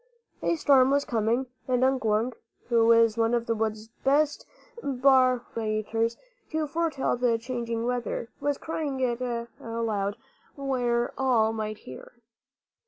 A storm was coming; and Unk Wunk, who is one of the wood's best barometers to foretell the changing weather, was crying it aloud where all might hear.